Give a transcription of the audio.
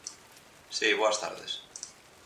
Si, boas tardes.